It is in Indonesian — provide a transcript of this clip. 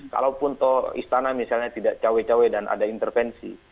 kalaupun toh istana misalnya tidak cawe cawe dan ada intervensi